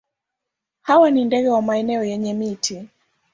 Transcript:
Hawa ni ndege wa maeneo yenye miti.